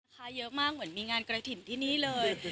ค้าเยอะมากเหมือนมีงานกระถิ่นที่นี่เลย